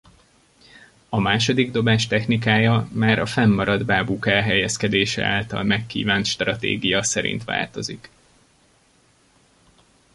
A második dobás technikája már a fennmaradt bábuk elhelyezkedése által megkívánt stratégia szerint változik.